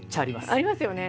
ありますよね。